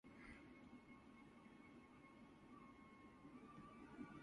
In its early years, the paper was only published in the Danish language.